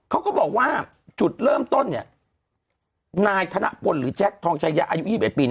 เขาก็บอกว่าจุดเริ่มต้นเนี่ยนายธนพลหรือแจ็คทองชายะอายุ๒๑ปี